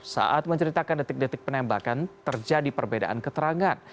saat menceritakan detik detik penembakan terjadi perbedaan keterangan